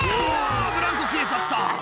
ブランコ切れちゃった